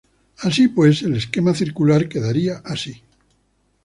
Así pues, el esquema circular quedaría así.